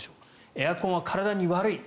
エアコンは体に悪い。